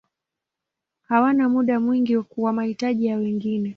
Hawana muda mwingi kwa mahitaji ya wengine.